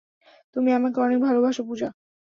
তুমি আমাকে অনেক ভালোবাসো, পূজা।